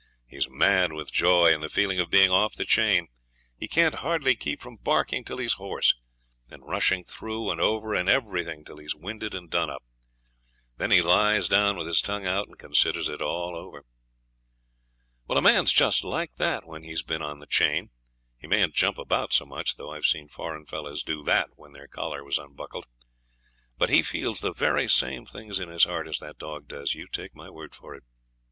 He's mad with joy and the feeling of being off the chain; he can't hardly keep from barking till he's hoarse, and rushing through and over everything till he's winded and done up. Then he lies down with his tongue out and considers it all over. Well a man's just like that when he's been on the chain. He mayn't jump about so much, though I've seen foreign fellows do that when their collar was unbuckled; but he feels the very same things in his heart as that dog does, you take my word for it.